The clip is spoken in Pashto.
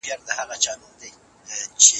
ډېر خوب سستي راولي